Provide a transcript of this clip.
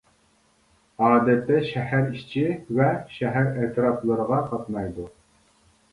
ئادەتتە شەھەر ئىچى ۋە شەھەر ئەتراپلىرىغا قاتنايدۇ.